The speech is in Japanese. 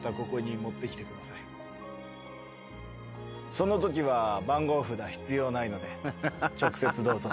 そのときは番号札必要ないので直接どうぞ。